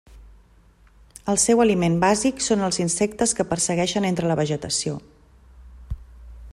El seu aliment bàsic són els insectes que persegueixen entre la vegetació.